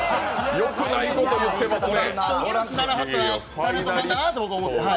よくないこと言ってますね。